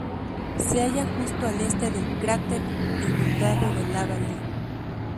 Se halla justo al este del cráter inundado de lava Lee.